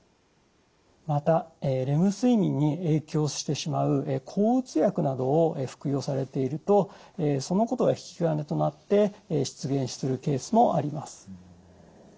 またレム睡眠に影響してしまう抗うつ薬などを服用されているとそのことが引き金となって出現するケースもあります。